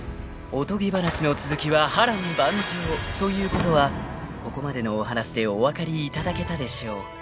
［おとぎ話の続きは波瀾万丈ということはここまでのお話でお分かりいただけたでしょう］